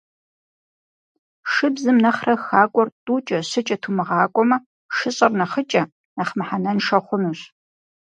Шыбзым нэхърэ хакӏуэр тӏукӏэ-щыкӏэ тумыгъакӏуэмэ, шыщӏэр нэхъыкӏэ, нэхъ мыхьэнэншэ хъунущ.